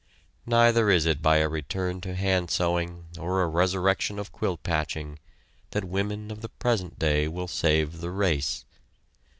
Neither is it by a return to hand sewing, or a resurrection of quilt patching that women of the present day will save the race.